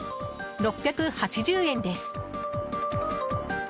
６８０円です。